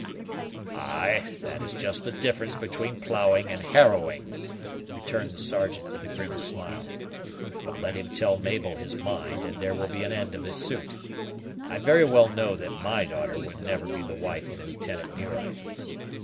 "Ay, that is just the difference between ploughing and harrowing," returned the Sergeant, with a grim smile. "But let him tell Mabel his mind, and there will be an end of his suit. I very well know that my daughter will never be the wife of Lieutenant Muir."